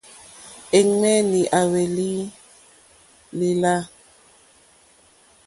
Èɱwèní à hwélì lìlâ.